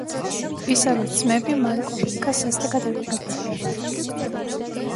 პისაროს ძმები მანკო ინკას სასტიკად ეპყრობოდნენ.